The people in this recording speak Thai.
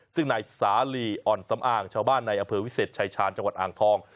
ซึ่งนายสาลีอ่อนสำอางชาวบ้านในอำเภอวิเศษชายชาญจังหวัดอ่างทอง